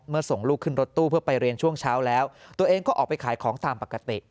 ส่งลูกขึ้นรถตู้เพื่อไปเรียนช่วงเช้าแล้วตัวเองก็ออกไปขายของตามปกติ